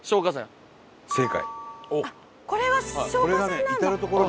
これは消火栓なんだ。